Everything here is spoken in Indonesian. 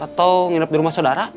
atau nginep di rumah saudara